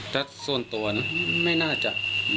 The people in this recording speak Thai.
แต่ส่วนตัวไม่น่าจะ